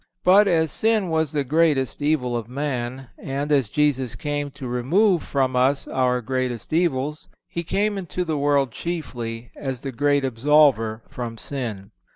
But as sin was the greatest evil of man, and as Jesus came to remove from us our greatest evils, He came into the world chiefly as the great Absolver from sin.